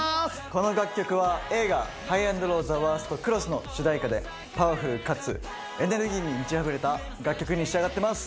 この楽曲は映画「ＨｉＧＨ＆ＬＯＷＴＨＥＷＯＲＳＴＸ」の主題歌でパワフルかつエネルギーに満ちあふれた楽曲に仕上がってます